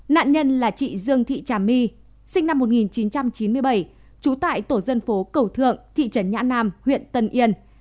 nạn nhân là chị dương thị trà my sinh năm một nghìn chín trăm chín mươi bảy trú tại tổ dân phố cầu thượng thị trấn nhã nam huyện tân yên